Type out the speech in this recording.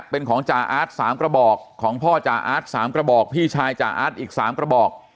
เป็นของจ่าอาร์ต๓กระบอกของพ่อจ่าอาร์ต๓กระบอกพี่ชายจ่าอาร์ตอีก๓กระบอก